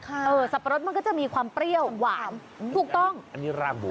เออสับปะรดมันก็จะมีความเปรี้ยวหวานถูกต้องอันนี้รางบัว